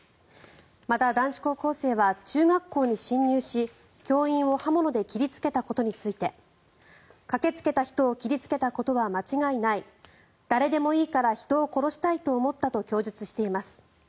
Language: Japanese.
また、男子高校生は中学校に侵入し教員を刃物で切りつけたことについて駆けつけた人を切りつけたことは間違いない誰でもいいから人を殺したいと思ったと供述しています。